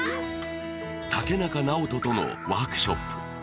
竹中直人とのワークショップ